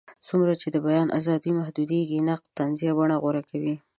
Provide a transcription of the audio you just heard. څومره چې د بیان ازادي محدودېږي، نقد طنزي بڼه غوره کوي.